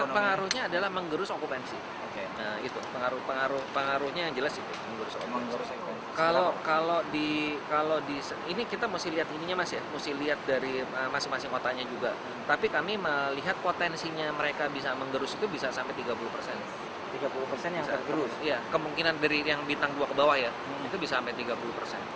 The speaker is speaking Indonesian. kemungkinan dari yang bintang dua ke bawah ya itu bisa sampai tiga puluh persen